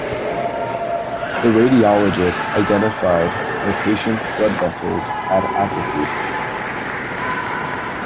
The radiologist identified her patient's blood vessels had atrophied.